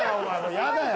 やだよ。